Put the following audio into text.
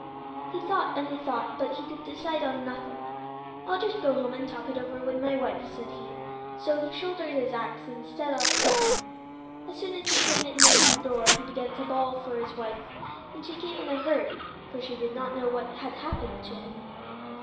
He thought and he thought, but he could decide on nothing. "I'll just go home and talk it over with my wife," said he; so he shouldered his ax, and set off for home. As soon as he came in at the door he began to bawl for his wife, and she came in a hurry, for she did not know what had happened to him.